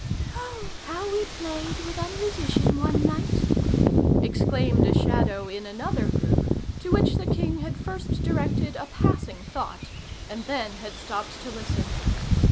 "Oh! how we played with a musician one night!" exclaimed a Shadow in another group, to which the king had first directed a passing thought, and then had stopped to listen.